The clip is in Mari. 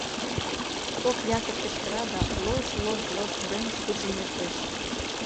Поп ятыр кычкыра да лож-лож-лож уремыш куржын лектеш.